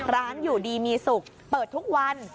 ร้านอยู่ดีมีศุกร์เปิดทุกวัน